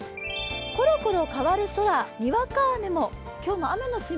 コロコロ変わる空、にわか雨も。